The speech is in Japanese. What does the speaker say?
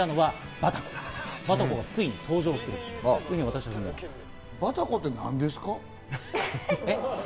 バタコって何ですか？